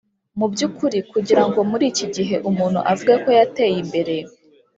mu by’ukuri kugira ngo muri iki gihe umuntu avuge ko yateye imbere